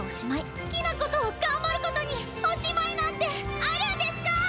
好きなことを頑張ることにおしまいなんて、あるんですか！